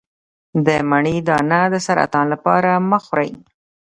د مڼې دانه د سرطان لپاره مه خورئ